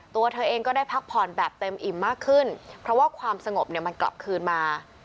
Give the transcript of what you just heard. ตัวเธอเองก็ได้พักผ่อนแบบเต็มอิ่มมากขึ้นเพราะว่าความสงบเนี่ยมันกลับคืนมา